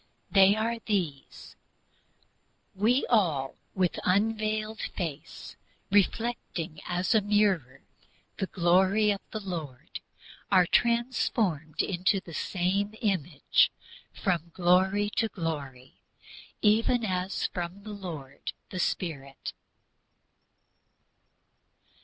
They are these: "We all, with unveiled face reflecting as a mirror the glory of the Lord, are transformed into the same image from glory to glory, even as from the Lord, the Spirit."